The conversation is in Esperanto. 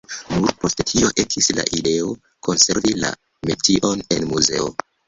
Nur post tio ekis la ideo, konservi la metion en muzeo.